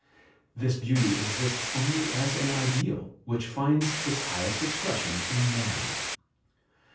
This beauty exists only as an ideal, which finds its highest expression in man.